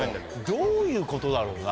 どういうことだろうな？